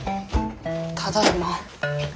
ただいま。